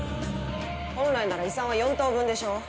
本来なら遺産は４等分でしょ